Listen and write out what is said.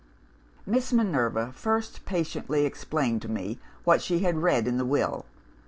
"Miss Minerva first patiently explained to me what she had read in the Will.